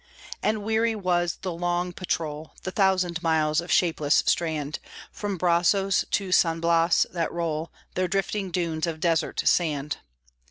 And weary was the long patrol, The thousand miles of shapeless strand, From Brazos to San Blas that roll Their drifting dunes of desert sand.